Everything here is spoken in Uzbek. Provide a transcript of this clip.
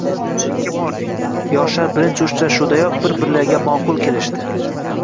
Sovchilikka bordik, yoshlar birinchi uchrashuvdayoq bir-birlariga ma`qul kelishdi